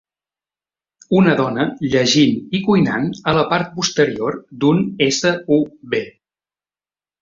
Una dona llegint i cuinant a la part posterior d'un SUV.